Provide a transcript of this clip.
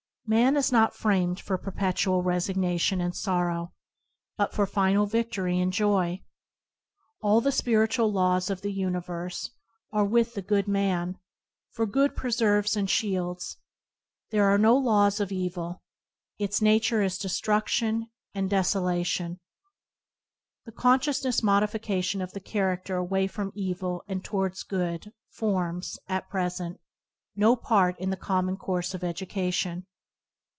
Man is not framed for perpetual resig nation and sorrow, but for final victory and joy. All the spiritual laws of the universe a^an: Ring offl^inD are with the good man, for good preserves and shields. There are no laws of evil. Its nature is destruction and desolation. The conscious modification of the charac ter away from evil and towards good, forms, at present, no part in the common course of education.